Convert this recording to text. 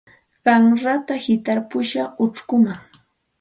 Qanrata hitarpushaq uchkuman.